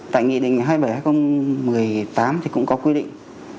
tại nghị định hai mươi bảy hai nghìn một mươi tám thì cũng có quy định